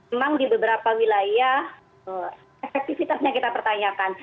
memang di beberapa wilayah efektivitasnya kita pertanyakan